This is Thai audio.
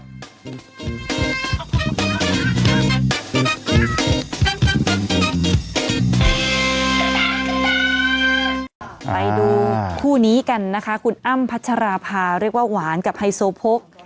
คู่นี้กันนะคะคุณอ้ำพัชราภาเรียกว่าหวานกับไฮโซโพก